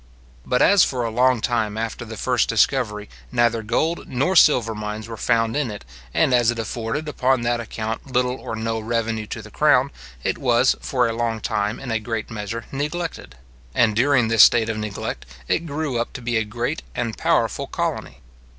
But as for a long time after the first discovery neither gold nor silver mines were found in it, and as it afforded upon that account little or no revenue to the crown, it was for a long time in a great measure neglected; and during this state of neglect, it grew up to be a great and powerful colony.